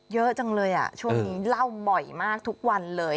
เยอะจังเลยช่วงนี้เล่าบ่อยมากทุกวันเลย